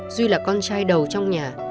duy là con trai đầu trong nhà